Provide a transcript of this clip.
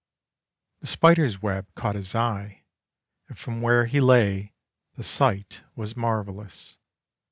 The spider's web caught his eye, and from where he lay the sight was marvellous.